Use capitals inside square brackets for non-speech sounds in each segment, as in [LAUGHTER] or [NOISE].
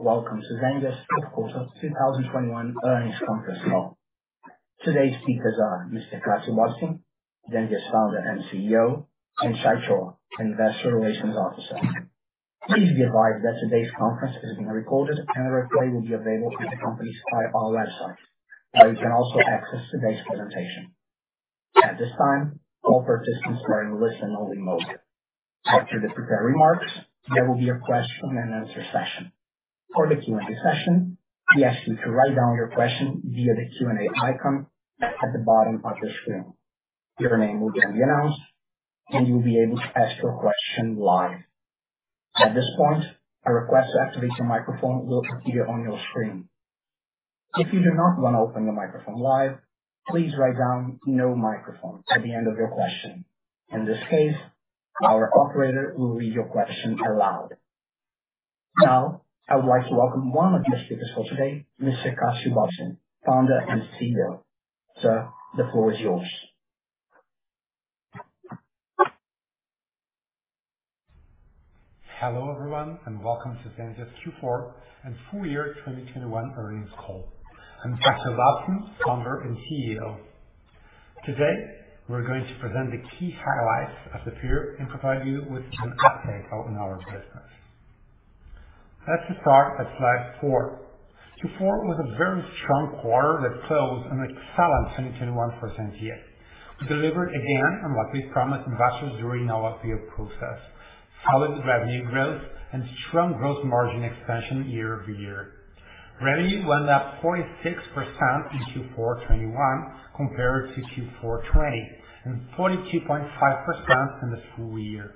Welcome to Zenvia Q4 2021 Earnings Conference Call. Today's speakers are Mr. Cassio Bobsin, Zenvia Founder and CEO, and Shay Chor, Investor Relations Officer. Please be advised that today's conference is being recorded and a replay will be available at the company's IR website, where you can also access today's presentation. At this time, all participants are in listen only mode. After the prepared remarks, there will be a question and answer session. For the Q&A session, we ask you to write down your question via the Q&A icon at the bottom of your screen. Your name will then be announced, and you'll be able to ask your question live. At this point, a request to activate your microphone will appear on your screen. If you do not want to open the microphone live, please write down "no microphone" at the end of your question. In this case, our operator will read your question aloud. Now, I would like to welcome one of the speakers for today, Mr. Cassio Bobsin, founder and CEO. Sir, the floor is yours. Hello, everyone, and welcome to Zenvia Q4 and full year 2021 earnings call. I'm Cassio Bobsin, founder and CEO. Today, we're going to present the key highlights of the period and provide you with an update on our business. Let's start at slide four. Q4 was a very strong quarter that closed an excellent 2021 for Zenvia. We delivered again on what we promised investors during our IPO process. Solid revenue growth and strong growth margin expansion year-over-year. Revenue went up 0.6% in Q4 2021 compared to Q4 2020, and 42.5% in the full year.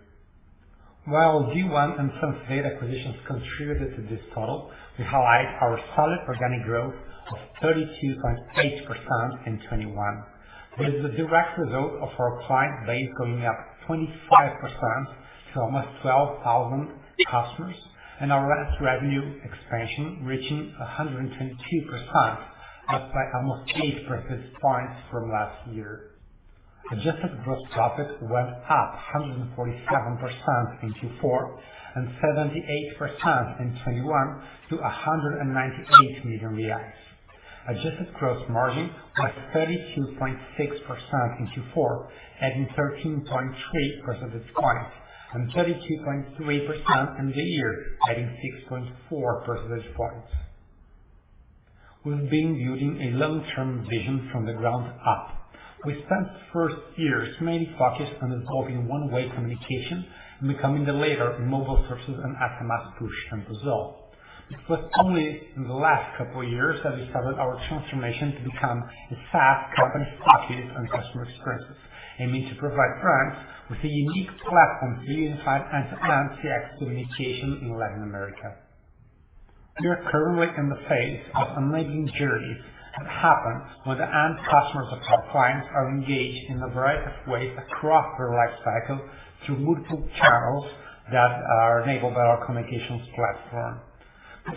While D1 and SenseData acquisitions contributed to this total, we highlight our solid organic growth of 32.8% in 2021. It is the direct result of our client base going up 25% to almost 12,000 customers, and our last revenue expansion reaching 122%, up by almost 8 percentage points from last year. Adjusted gross profit went up 147% in Q4, and 78% in 2021 to 198 million reais. Adjusted gross margin was 32.6% in Q4, adding 13.3 percentage points, and 32.3% in the year, adding 6.4 percentage points. We've been building a long-term vision from the ground up. We spent the first years mainly focused on developing one-way communication and becoming the leader in mobile services and SMS push and resolve. It was only in the last couple of years that we started our transformation to become a fast company focused on customer experiences, aiming to provide brands with a unique platform to unify end-to-end CX communication in Latin America. We are currently in the phase of enabling journeys that happen when the end customers of our clients are engaged in a variety of ways across their life cycle through multiple channels that are enabled by our communications platform.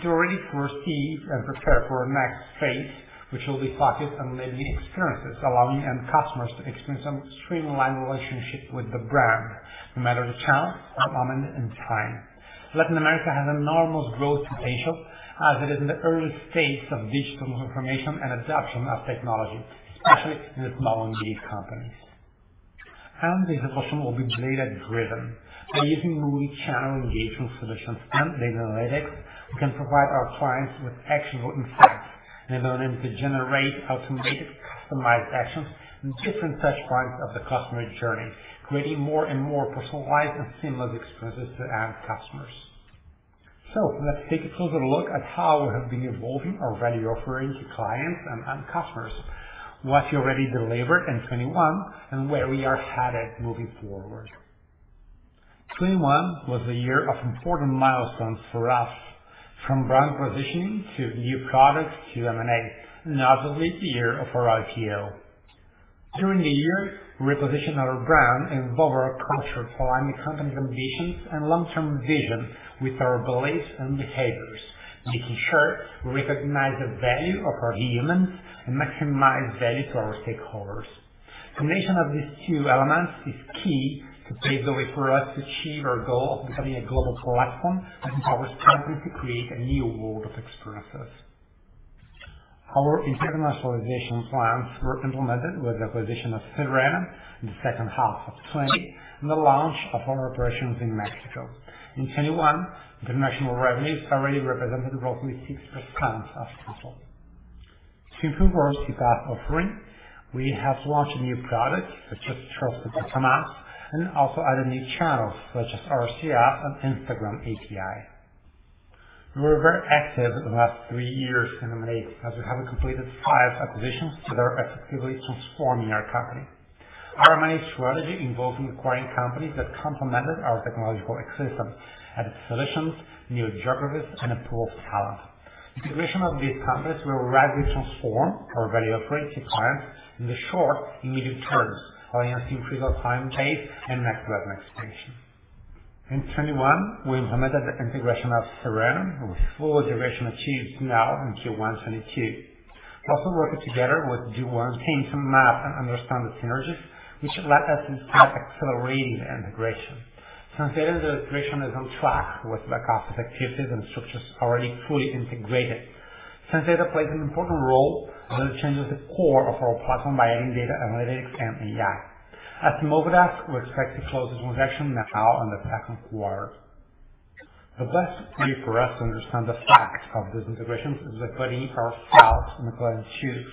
We already foresee and prepare for our next phase, which will be focused on enabling experiences, allowing end customers to experience a streamlined relationship with the brand, no matter the channel or moment in time. Latin America has enormous growth potential as it is in the early stages of digital transformation and adoption of technology, especially in the small and medium companies. Our execution will be data-driven. By using multi-channel engagement solutions and data analytics, we can provide our clients with actionable insights enabling them to generate automated, customized actions in different touch points of the customer journey, creating more and more personalized and seamless experiences to end customers. Let's take a closer look at how we have been evolving our value offering to clients and end customers, what we already delivered in 2021, and where we are headed moving forward. 2021 was a year of important milestones for us, from brand positioning to new products to M&A, and obviously the year of our IPO. During the year, we repositioned our brand and evolved our culture to align the company's ambitions and long-term vision with our beliefs and behaviors, making sure we recognize the value of our humans and maximize value to our stakeholders. Combination of these two elements is key to pave the way for us to achieve our goal of becoming a global platform and empower companies to create a new world of experiences. Our internationalization plans were implemented with the acquisition of Sirena in the second half of 2020, and the launch of our operations in Mexico. In 2021, international revenues already represented roughly 6% of total. To improve our CPaaS offering, we have launched new products such as Trusted SMS, and also added new channels such as RCS and Instagram API. We were very active in the last three years in M&A, as we have completed five acquisitions that are effectively transforming our company. Our M&A strategy involved in acquiring companies that complemented our technological ecosystem, added solutions, new geographies, and a pool of talent. Integration of these companies will radically transform our value offering to clients in the short and medium terms, while enhancing free cash flow, base, and max revenue expansion. In 2021, we implemented the integration of Sirena, with full integration achieved now in Q1 2022. Working together with D1 team to map and understand the synergies which lets us accelerate the integration. SenseData integration is on track with back-office activities and structures already fully integrated. SenseData plays an important role as it changes the core of our platform by adding data analytics and AI. At Movidesk, we expect to close this transaction now in the second quarter. The best way for us to understand the facts of this integration is by putting ourselves in the client's shoes.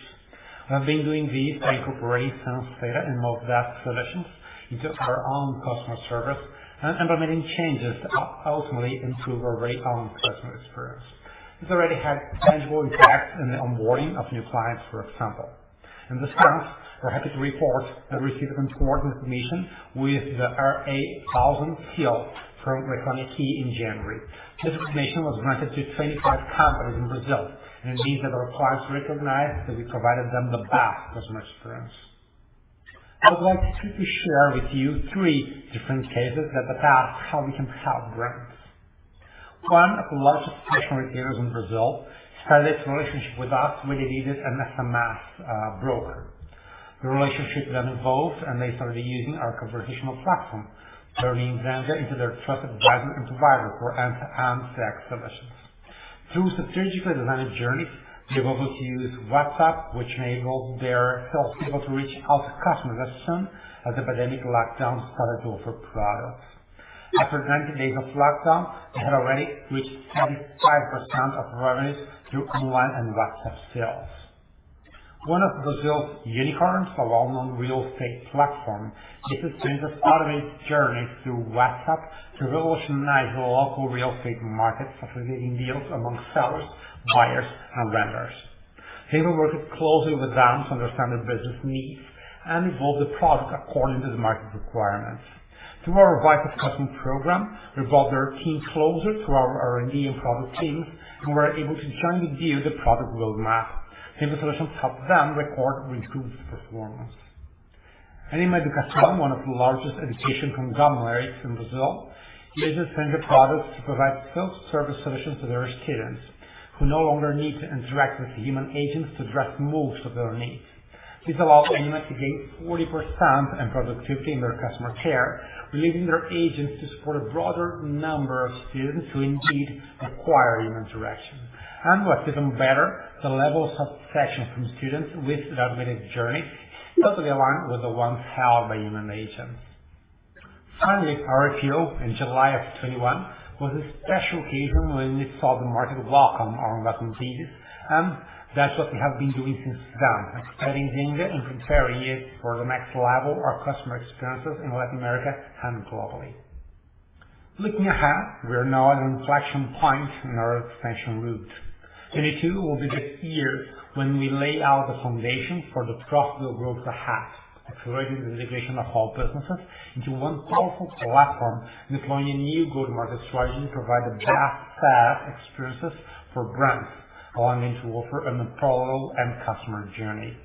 We have been doing this by incorporating SenseData in Movidesk solutions into our own customer service and implementing changes that ultimately improve our very own customer experience. It's already had tangible impact in the onboarding of new clients, for example. In this sense, we're happy to report that we received important information with the RA1000 seal from Reclame AQUI in January. This distinction was granted to 25 companies in Brazil, and it means that our clients recognize that we provided them the best customer experience. I would like to quickly share with you three different cases that attest how we can help brands. One of the largest stationery retailers in Brazil started its relationship with us when they needed an SMS broker. The relationship then evolved, and they started using our conversational platform, turning Zenvia into their trusted advisor and provider for end-to-end tech solutions. Through a strategically designed journey, they were able to use WhatsApp, which enabled their sales people to reach out to customers as soon as the pandemic lockdown started to offer products. After 90 days of lockdown, they had already reached 35% of revenues through online and WhatsApp sales. One of Brazil's unicorns, a well-known real estate platform, is in the midst of starting its journey through WhatsApp to revolutionize the local real estate market by facilitating deals among sellers, buyers, and renters. Here we're working closely with them to understand their business needs and evolve the product according to the market requirements. Through our Voice of Customer program, we brought their team closer to our R&D and product teams, and we're able to jointly build the product roadmap. Same solution helped them record improved performance. Ânima Educação, one of the largest education conglomerates in Brazil, uses Zenvia products to provide self-service solutions to their students who no longer need to interact with human agents to address most of their needs. This allowed Ânima Educação to gain 40% in productivity in their customer care, leaving their agents to support a broader number of students who indeed require human interaction. What's even better, the level of satisfaction from students with the automated journey totally aligned with the ones held by human agents. Finally, IPO in July 2021 was a special occasion when we saw the market welcome our investment thesis, and that's what we have been doing since then, expanding Zenvia and preparing it for the next level of customer experiences in Latin America and globally. Looking ahead, we are now at an inflection point in our expansion route. 2022 will be the year when we lay out the foundation for the profitable growth ahead, accelerating the integration of all businesses into one powerful platform, deploying new go-to-market strategy to provide the best SaaS experiences for brands, allowing them to offer an unparalleled end customer journey.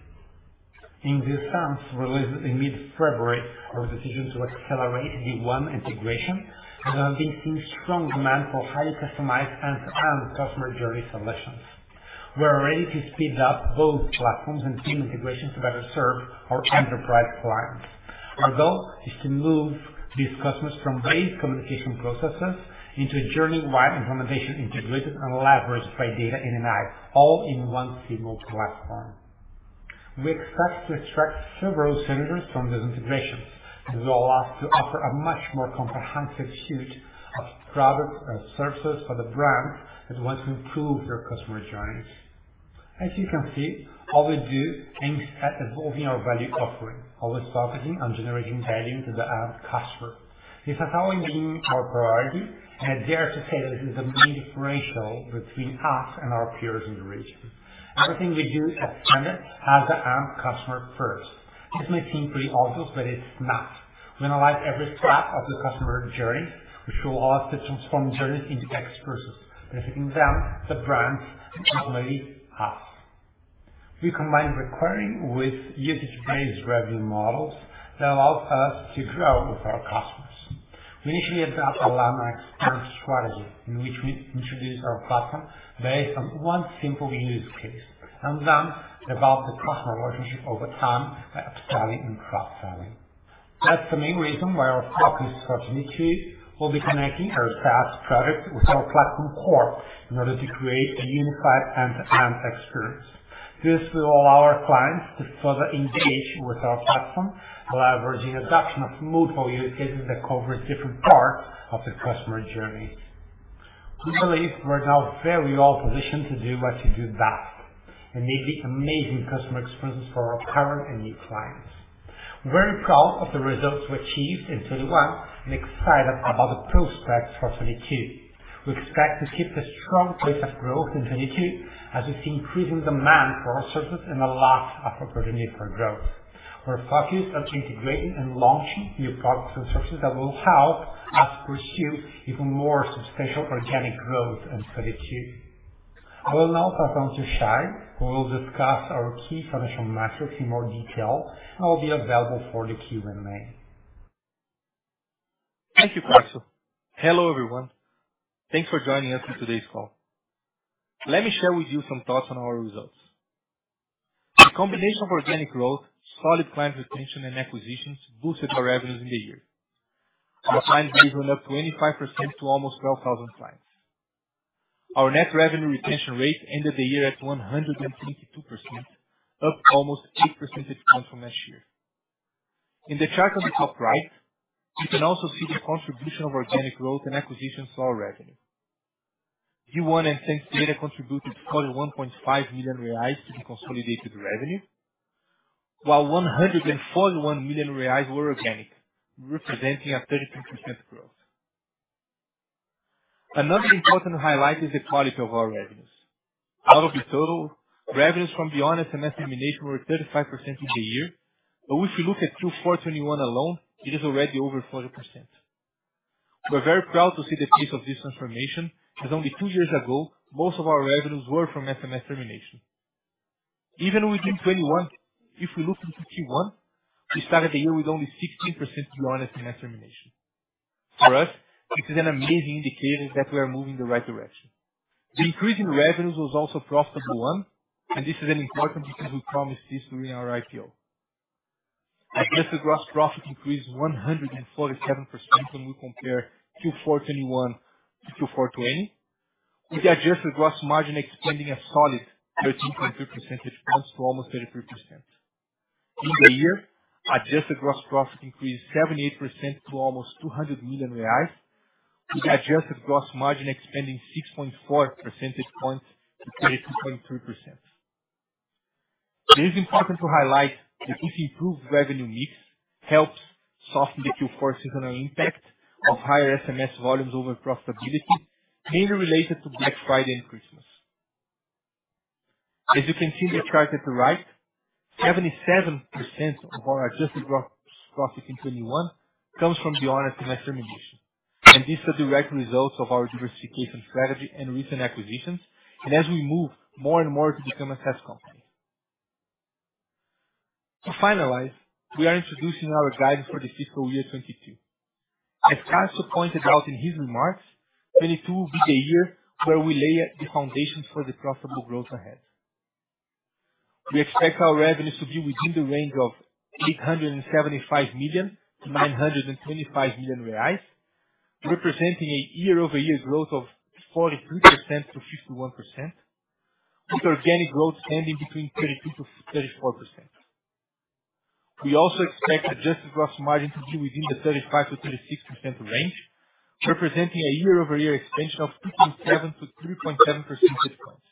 In this sense, we released in mid-February our decision to accelerate the D1 integration as we have been seeing strong demand for highly customized end-to-end customer journey solutions. We are ready to speed up both platforms and team integration to better serve our enterprise clients. Our goal is to move these customers from base communication processes into a journey-wide implementation integrated and leveraged by data and AI, all in one single platform. We expect to extract several synergies from this integration. This will allow us to offer a much more comprehensive suite of products and services for the brand that want to improve their customer journeys. As you can see, all we do aims at evolving our value offering, always focusing on generating value to the end customer. This has always been our priority, and I dare to say that this is the main differential between us and our peers in the region. Everything we do at Zenvia has the end customer first. This may seem pretty obvious, but it's not. We analyze every step of the customer journey, which will allow us to transform journeys into experiences, benefiting them, the brands, and ultimately us. We combine recurring with usage-based revenue models that allows us to grow with our customers. We initially adopt a landmark expansion strategy in which we introduce our platform based on one simple use case, and then develop the customer relationship over time by upselling and cross-selling. That's the main reason why our top priority for 2023 will be connecting our SaaS product with our platform core in order to create a unified end-to-end experience. This will allow our clients to further engage with our platform, leveraging adoption of multiple use cases that covers different parts of the customer journey. We believe we're now very well positioned to do what you do best and make the amazing customer experience for our current and new clients. Very proud of the results we achieved in 2021 and excited about the prospects for 2022. We expect to keep a strong pace of growth in 2022 as we see increasing demand for our services and a lot of opportunity for growth. We're focused on integrating and launching new products and services that will help us pursue even more substantial organic growth in 2022. I will now pass on to Shay, who will discuss our key financial metrics in more detail and will be available for the Q&A. Thank you, Cassio. Hello everyone. Thanks for joining us on today's call. Let me share with you some thoughts on our results. The combination of organic growth, solid client retention, and acquisitions boosted our revenues in the year. Our clients grew up 25% to almost 12,000 clients. Our net revenue retention rate ended the year at 122%, up almost 8 percentage points from last year. In the chart on the top right, you can also see the contribution of organic growth and acquisitions to our revenue. D1 and SenseData contributed 41.5 million reais to the consolidated revenue, while 141 million reais were organic, representing a 33% growth. Another important highlight is the quality of our revenues. Out of the total, revenues from beyond SMS termination were 35% in the year. If you look at Q4 2021 alone, it is already over 40%. We're very proud to see the peak of this transformation, as only two years ago most of our revenues were from SMS termination. Even within 2021, if we look in Q1, we started the year with only 16% beyond SMS termination. For us, this is an amazing indicator that we are moving in the right direction. The increase in revenues was also a profitable one, and this is important because we promised this during our IPO. Adjusted gross profit increased 147% when we compare Q4 2021 to Q4 2020, with the adjusted gross margin expanding a solid 13.3 percentage points to almost 33%. In the year, adjusted gross profit increased 78% to almost 200 million reais, with the adjusted gross margin expanding 6.4 percentage points to 32.3%. It is important to highlight that this improved revenue mix helps soften the Q4 seasonal impact of higher SMS volumes over profitability, mainly related to Black Friday and Christmas. As you can see in the chart at the right, 77% of our adjusted gross profit in 2021 comes from beyond SMS termination. This is a direct result of our diversification strategy and recent acquisitions, and as we move more and more to become a SaaS company. To finalize, we are introducing our guidance for the fiscal year 2022. As Cassio pointed out in his remarks, 2022 will be the year where we lay the foundation for the profitable growth ahead. We expect our revenues to be within the range of 875 million-925 million reais, representing a year-over-year growth of 43%-51%, with organic growth standing between 32%-34%. We also expect adjusted gross margin to be within the 35%-36% range, representing a year-over-year expansion of 2.7 percentage points to 3.7 percentage points.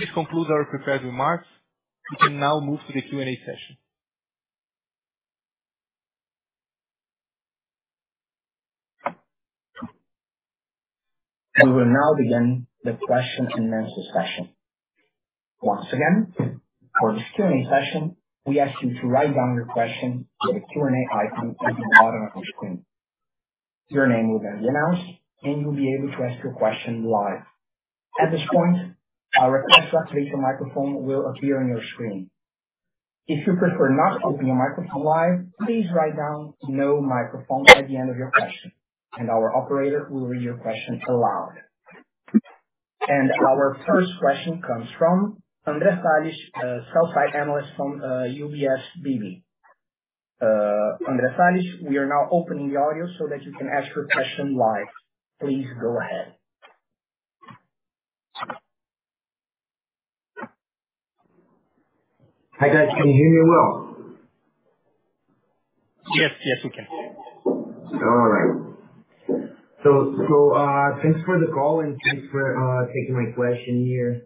This concludes our prepared remarks. We can now move to the Q&A session. We will now begin the question-and-answer session. Once again, for this Q&A session, we ask you to write down your question via the Q&A icon at the bottom of your screen. Your name will then be announced, and you'll be able to ask your question live. At this point, a request to activate your microphone will appear on your screen. If you prefer not to open your microphone live, please write down "No microphone" at the end of your question and our operator will read your question aloud. Our first question comes from Andre Salles, Sell-side Analyst from UBS BB. Andre Salles, we are now opening the audio so that you can ask your question live. Please go ahead. Hi guys, can you hear me well? Yes, yes, we can. All right. Thanks for the call and thanks for taking my question here.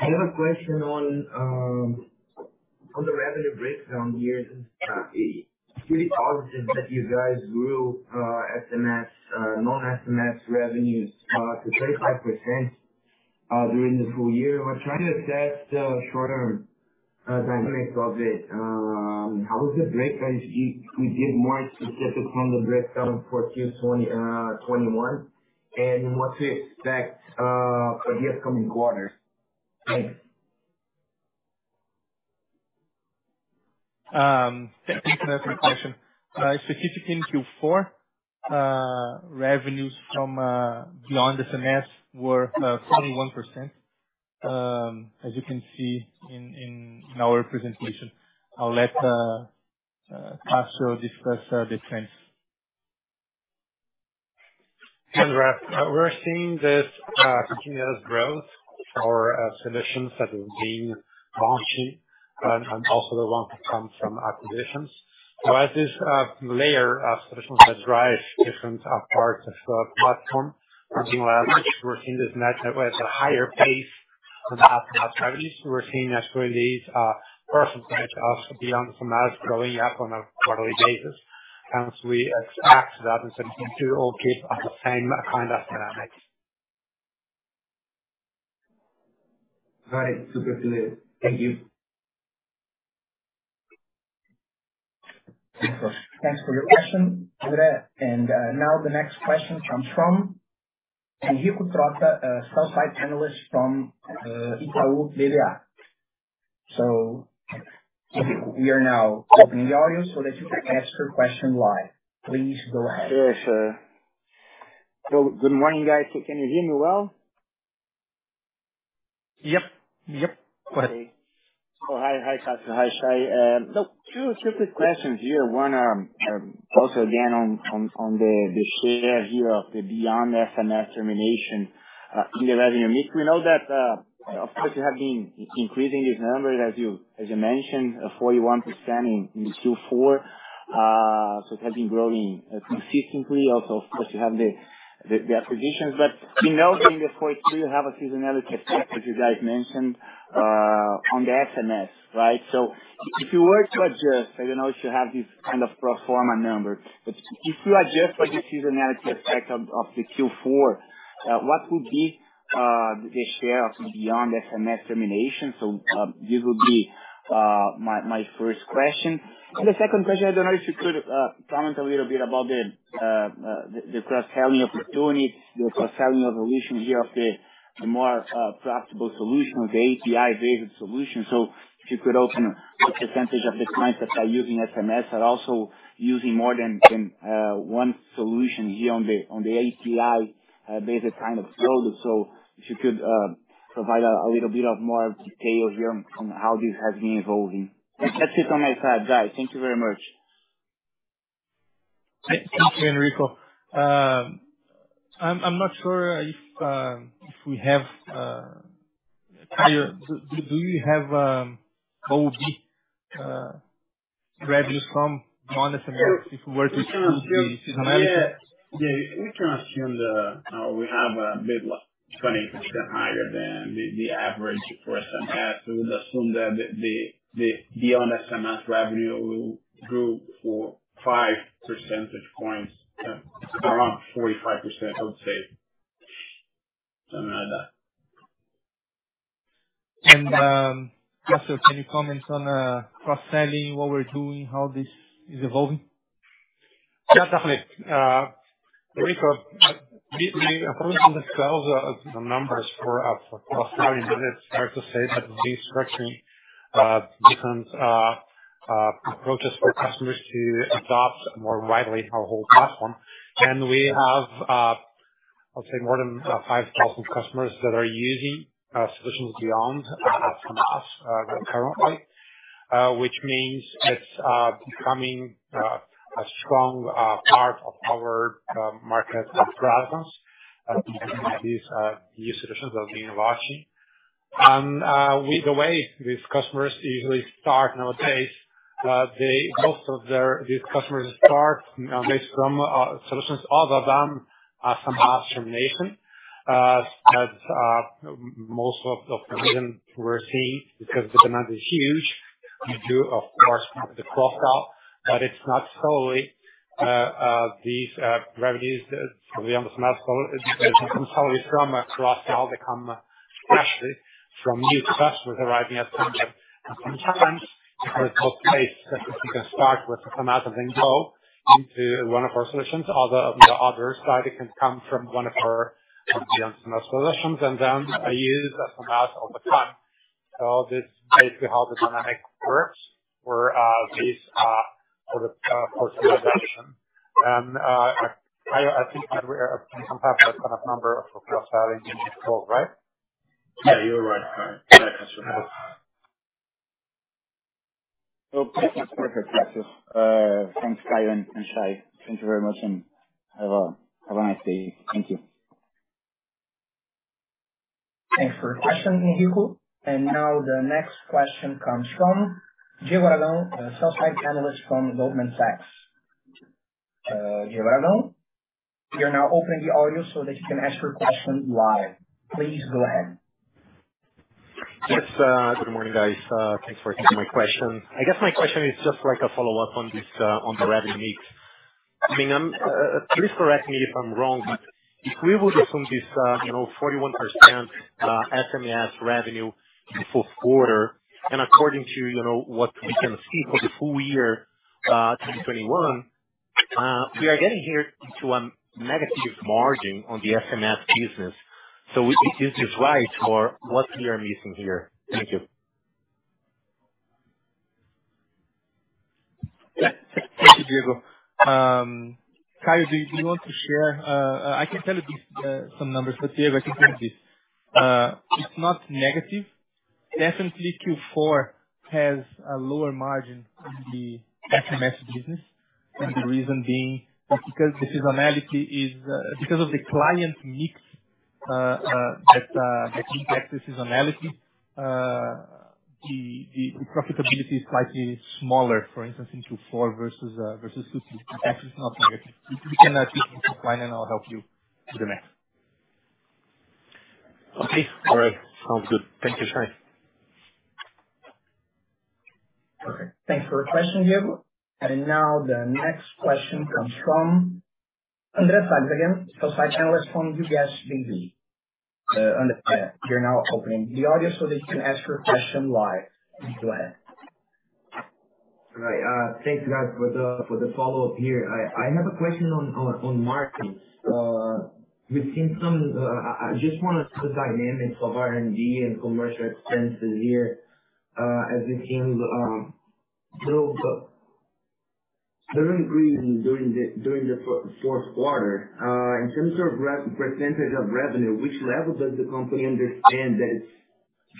I have a question on the revenue breakdown here. It's really positive that you guys grew SMS non-SMS revenues to 35% during the full year. We're trying to assess the short-term dynamics of it. How is the breakdown if you can give more specific on the breakdown for Q 2021, and what to expect for the upcoming quarters? Thanks. Thanks for that question. Specifically in Q4, revenues from beyond SMS were 21%. As you can see in our presentation. I'll let Cassio discuss the trends. We're seeing this continuous growth for our solutions that we've been launching and also the ones that come from acquisitions. As this layer of solutions that drive different parts of the platform, something like that, we're seeing this match up with a higher pace than the SMS revenues. We're seeing actually these first insights beyond SMS growing up on a quarterly basis. We expect that in 2022 to also keep the same kind of dynamics. Got it. Super clear. Thank you. Thanks for your question, Andre. Now the next question comes from Enrico Trotta, a sell-side analyst from Itaú BBA. We are now opening the audio so that you can ask your question live. Please go ahead. Sure. Good morning, guys. Can you hear me well? Yep. Yep. Go ahead. Oh, hi. Hi, Cassio. Hi, Shay. Two quick questions here. One, also again on the share here of the beyond SMS termination in the revenue mix. We know that of course you have been increasing these numbers as you mentioned 41% in Q4. It has been growing consistently. Also, of course, you have the acquisitions. We know during the Q3 you have a seasonality effect as you guys mentioned on the SMS, right? If you were to adjust, I don't know if you have this kind of pro forma number, but if you adjust for the seasonality effect of the Q4, what would be the share of beyond SMS termination? This would be my first question. The second question, I don't know if you could comment a little bit about the cross-selling opportunity, the cross-selling evolution here of the more profitable solution or the API-based solution. If you could also what percentage of the clients that are using SMS are also using more than one solution here on the API based kind of build. If you could provide a little bit more details here on how this has been evolving. That's it on my side, guys. Thank you very much. Thank you. Thank you, Enrico. I'm not sure if we have. Caio, do you have how would be revenue from non-SMS if we were to assume the seasonality? We can assume we have a bit like 20% higher than the average for SMS. We'd assume that the beyond SMS revenue will grow for 5 percentage points around 45%, I would say. Something like that. Cassio, can you comment on cross-selling, what we're doing, how this is evolving? Yeah, definitely. Henrique, we approach this as the numbers for our cross-selling. It's fair to say that we're structuring different approaches for customers to adopt more widely our whole platform. We have, I'll say more than 5,000 customers that are using solutions beyond SMS currently, which means it's becoming a strong part of our market presence, these new solutions that we're launching. The way these customers usually start nowadays, most of these customers start based from solutions other than SMS termination, as most of the reason we're seeing because the demand is huge. We do, of course, the cross-sell, but it's not solely these revenues from beyond SMS. It doesn't come solely from a cross-sell. They come especially from new customers arriving at Transact. Sometimes it's both ways that the people start with SMS and then go into one of our solutions. On the other side, it can come from one of our beyond SMS solutions and then use SMS all the time. This is basically how the dynamic works for SMS. Caio, I think you can comment on the kind of number of cross-selling in total, right? Yeah, you are right. Yeah, that's right. Perfect. Thanks, Caio and Shay. Thank you very much, and have a nice day. Thank you. Thanks for your question, Enrico. Now the next question comes from Diego Aragão, Sell-side Analyst from Goldman Sachs. Diego Aragão, we are now opening the audio so that you can ask your question live. Please go ahead. Yes. Good morning, guys. Thanks for taking my question. I guess my question is just like a follow-up on this, on the revenue mix. I mean, please correct me if I'm wrong, but if we would assume this, you know, 41% SMS revenue in the fourth quarter, and according to, you know, what we can see for the full year 2021, we are getting here into a negative margin on the SMS business. Is this right, or what we are missing here? Thank you. Yeah. Thank you, Diego. Caio, do you want to share? I can tell you these some numbers, but Diego, I can tell you this. It's not negative. Definitely Q4 has a lower margin in the SMS business, and the reason being is because the seasonality is because of the client mix that impacts the seasonality. The profitability is slightly smaller, for instance, in Q4 versus Q3. Actually, it's not negative. We can just decline, and I'll help you with the math. Okay. All right. Sounds good. Thank you, Shay. Okay. Thanks for your question, Diego. Now the next question comes from Andre Salles again, sell-side analyst from UBS AG. Andre Salles, we are now opening the audio so that you can ask your question live. Please go ahead. Right. Thanks guys for the follow up here. I have a question on marketing. I just want to put dynamics of R&D and commercial expenses here, as it seems still increasing during the fourth quarter. In terms of percentage of revenue, which level does the company understand that it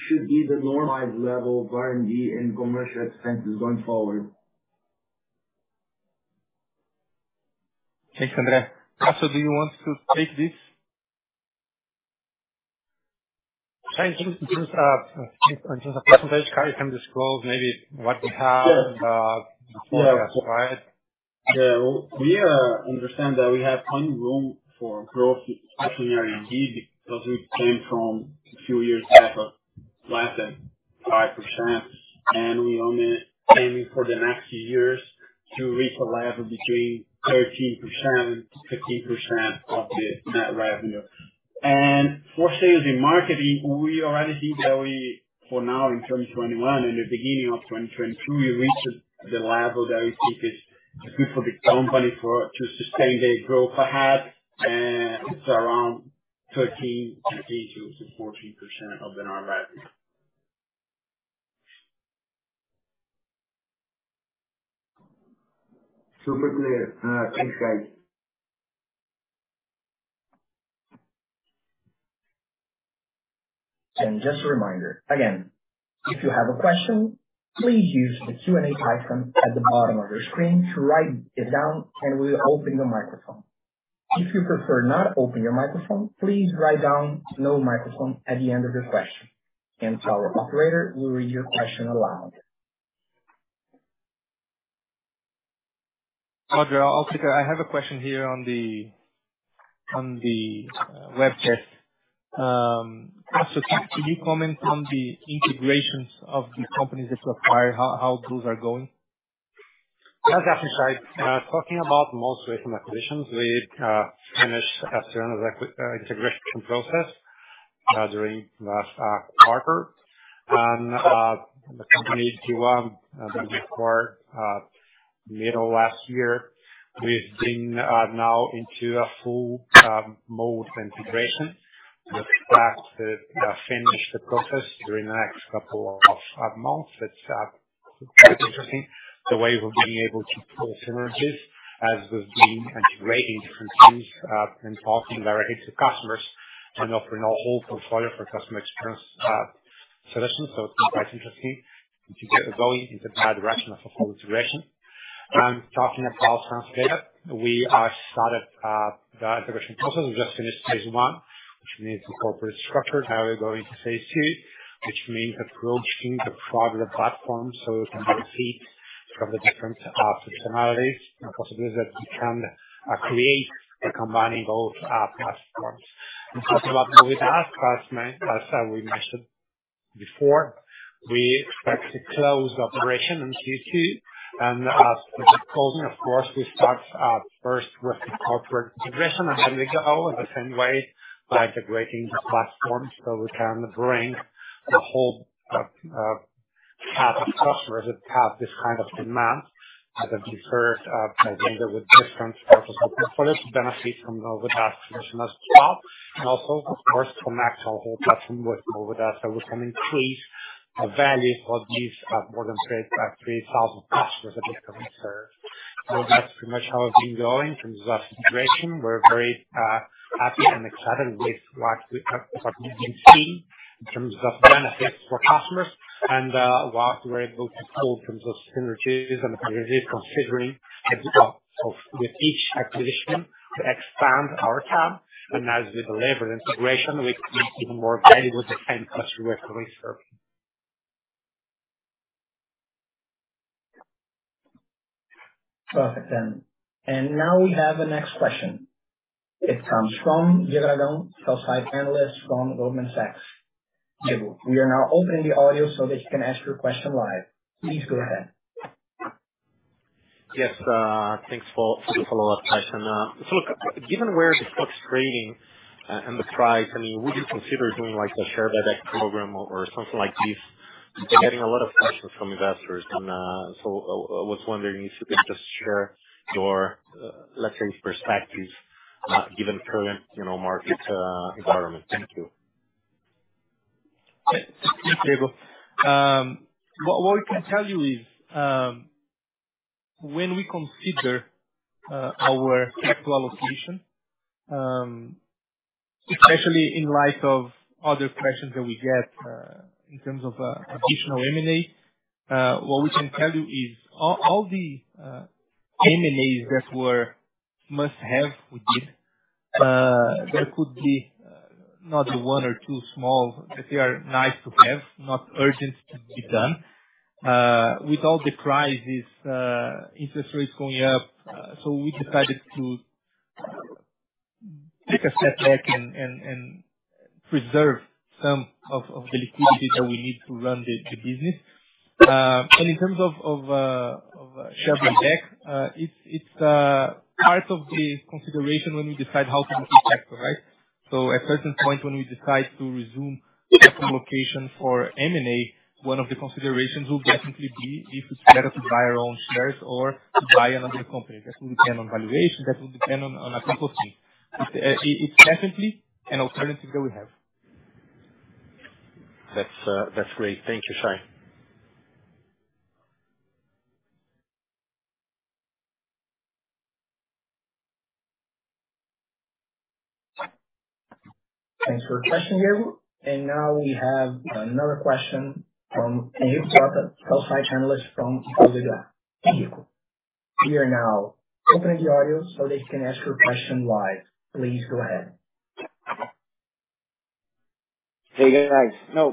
should be the normalized level of R&D and commercial expenses going forward? Thanks, Andre. Cassio, do you want to take this? Sure. In terms of percentage, Cassio can disclose maybe what we have, before that, right? Yeah. We understand that we have some room for growth, especially in R&D, because we came from a few years back of less than 5%, and we only aiming for the next years to reach a level between 13%-15% of the net revenue. For sales in marketing, we already think that we for now in 2021 and the beginning of 2022, we reached the level that we think is good for the company to sustain the growth it had, and it's around 13% occasionally to 14% of the net revenue. Super clear. Thanks, guys. Just a reminder. Again, if you have a question, please use the Q&A icon at the bottom of your screen to write it down, and we'll open the microphone. If you prefer not open your microphone, please write down, "No microphone," at the end of the question, and our operator will read your question aloud. Andre Salles, I'll take it. I have a question here on the web chat. Cassio Bobsin, can you comment on the integrations of the companies that you acquired, how those are going? Yeah, definitely, Caio. Talking about most recent acquisitions, we finished integration process during last quarter. The company D1 that we acquired middle last year, we've been now into a full mode integration. We're expected to finish the process during the next couple of months. It's quite interesting the way we're being able to realize synergies as we've been integrating different teams and talking directly to customers and offering our whole portfolio for customer experience solutions. It's quite interesting. Things are going in the right direction of the whole integration. Talking about SenseData, we started the integration process. We just finished phase one, which means the corporate structure. Now we're going to phase two, which means approaching the product platform so we can benefit from the different functionalities and possibilities that we can create by combining both platforms. Talking about Novida, as we mentioned before, we expect to close the operation in Q2. As with Kogniz, of course, we start first with the corporate integration and then we go in the same way by integrating the platforms so we can bring the whole path of customers that have this kind of demand that we prefer together with different parts of our portfolio to benefit from Novida solution as well. Also, of course, we connect our whole platform with Novida, so we can increase the value for these more than 3,000 customers that we currently serve. That's pretty much how it's been going in terms of integration. We're very happy and excited with what we have, what we've been seeing in terms of benefits for customers and what we're able to pull in terms of synergies and opportunities, considering on top of, with each acquisition to expand our TAM. As we deliver the integration, we create even more value with the same customer that we're serving. Perfect. Now we have a next question. It comes from Diego Aragão, Sell-side Analyst from Goldman Sachs. Diego, we are now opening the audio so that you can ask your question live. Please go ahead. Yes. Thanks for the follow-up, Caio. Now, look, given where the stock's trading and the price, I mean, would you consider doing like a share buyback program or something like this? We're getting a lot of questions from investors and, so I was wondering if you could just share your, let's say perspectives, given current, you know, market environment. Thank you. Thanks, Diego. What we can tell you is, when we consider our capital allocation, especially in light of other questions that we get, in terms of additional M&A, what we can tell you is all the M&As that were must-have, we did. There could be one or two small that they are nice to have, not urgent to be done. With all the crisis, interest rates going up, we decided to take a step back and preserve some of the liquidity that we need to run the business. In terms of a share buyback, it's part of the consideration when we decide how to use capital, right? At a certain point when we decide to resume allocation for M&A, one of the considerations will definitely be if it's better to buy our own shares or to buy another company. That will depend on valuation, that will depend on a couple of things. It's definitely an alternative that we have. That's great. Thank you, Shay. Thanks for your question, Gabriel. Now we have another question from [INAUDIBLE] Analyst from. We are now opening the audio so they can ask your question live. Please go ahead. Hey, guys. Now,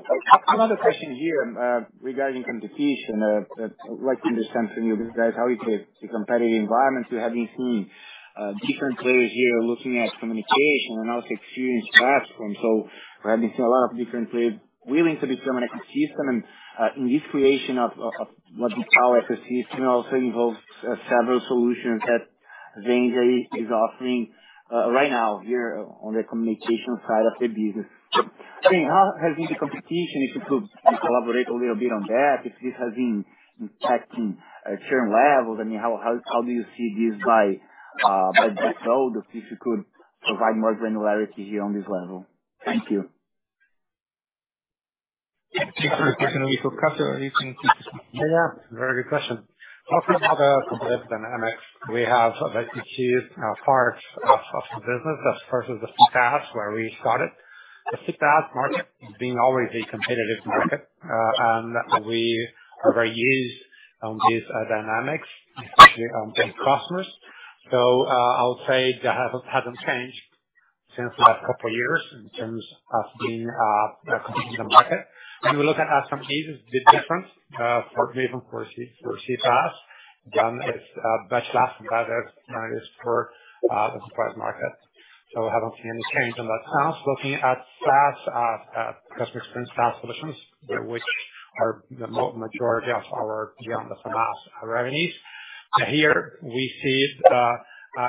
another question here, regarding competition, that I'd like to understand from you guys how is the competitive environment. We have been seeing different players here looking at communication and also experience platform. We have been seeing a lot of different players willing to enter the ecosystem and in this creation of what our ecosystem also involves several solutions that Zenvia is offering right now here on the communication side of the business. How has been the competition, if you could elaborate a little bit on that, if this has been impacting current levels, I mean how do you see this by next year, if you could provide more granularity here on this level. Thank you. Thanks for your question. If you're happy with anything. Yeah, very good question. Talking about the competitive dynamics we have our part of the business as part of the CPaaS where we started. The CPaaS market is already a competitive market, and we are very used to these dynamics, especially on paying customers. I would say that hasn't changed since the last couple of years in terms of competing in the market. When we look at SaaS verticals, the difference for even for CPaaS, then it's much less than that is for the SaaS market. I haven't seen any change on that front. Looking at SaaS, customer experience SaaS solutions, which are the majority of our beyond the CPaaS revenues. Here we see a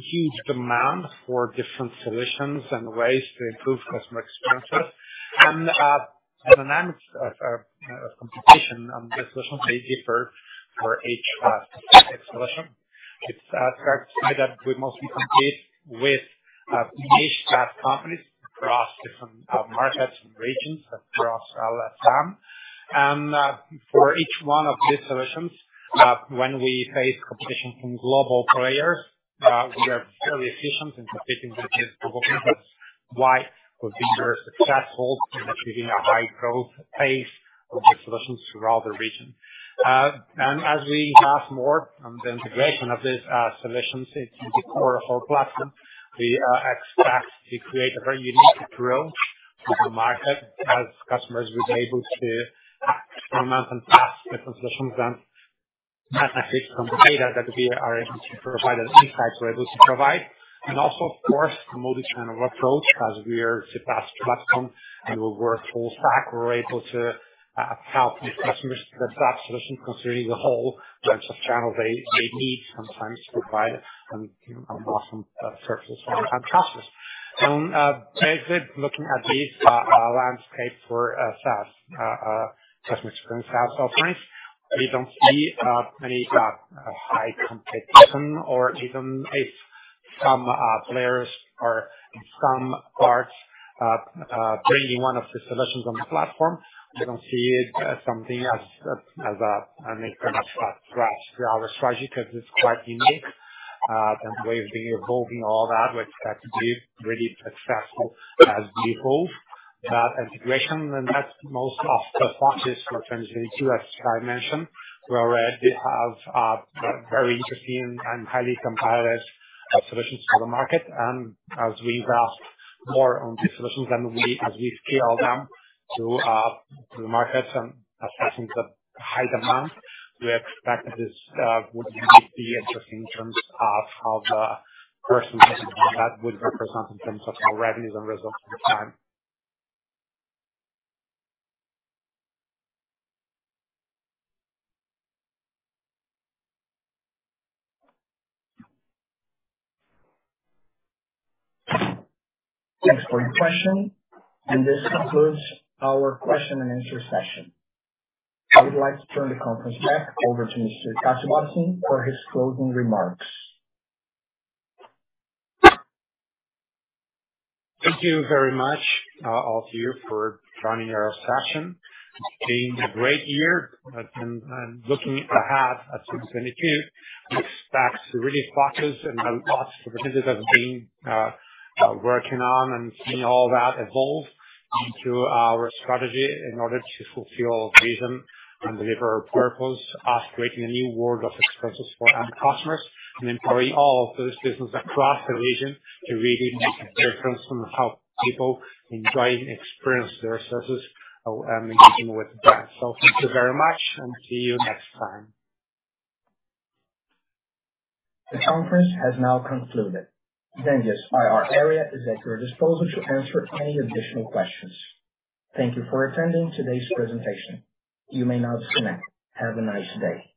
huge demand for different solutions and ways to improve customer experiences and the dynamics of competition on the solutions may differ for each class of solution. It starts either with mostly competing with niche SaaS companies across different markets and regions across LATAM. For each one of these solutions, when we face competition from global players, we are very efficient in competing with these global companies. Why? Because we are successful in achieving a high growth pace of the solutions throughout the region. As we have more on the integration of these solutions into the core of our platform, we expect to create a very unique growth in the market as customers will be able to implement and test different solutions and benefit from the data that we are able to provide, and insights we're able to provide. Also, of course, a multi-channel approach. As we are CPaaS platform and we work full stack, we're able to help these customers with that solution considering the whole bunch of channels they need sometimes to provide and awesome services and process. Basically looking at this landscape for SaaS customer experience SaaS offerings, we don't see any high competition or even if some players or some partners bringing one of the solutions on the platform, we don't see it as something of an impairment to our strategy, because it's quite unique and the way we've been evolving all that, we expect to be really successful as we evolve that integration. That's most of the focus for 2022. As I mentioned, we already have very interesting and highly competitive solutions for the market. As we invest more on these solutions and as we scale them to the markets and assessing the high demand, we expect this would be interesting in terms of how the portion that would represent in terms of our revenues and results over time. Thanks for your question. This concludes our question and answer session. I would like to turn the conference back over to Mr. Cassio for his closing remarks. Thank you very much, all of you for joining our session. It's been a great year and looking ahead at 2022, we expect to really focus and a lot of the business has been working on and seeing all that evolve into our strategy in order to fulfill our vision and deliver our purpose of creating a new world of experiences for end customers and empowering all of those businesses across the region to really make a difference in how people enjoy and experience their services, engaging with brands. Thank you very much and see you next time. The conference has now concluded. Zenvia's investor relations team is at your disposal to answer any additional questions. Thank you for attending today's presentation. You may now disconnect. Have a nice day.